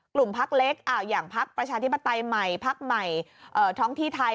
พักเล็กอย่างพักประชาธิปไตยใหม่พักใหม่ท้องที่ไทย